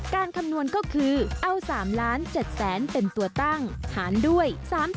การคำนวนก็คือเอา๓๗๐๐๐๐๐เป็นตัวตั้งหารด้วย๓๗๐๐๐๐